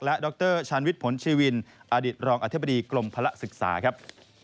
และดรชาญวิทย์ผลชีวินอดีตรองอธิบดีกรมภาระศึกษาครับ